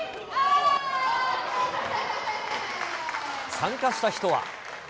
参加した人は。